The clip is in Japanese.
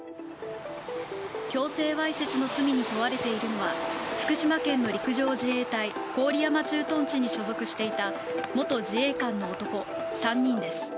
強制わいせつの罪に問われているのは福島県の陸上自衛隊郡山駐屯地に所属していた元自衛官の男３人です。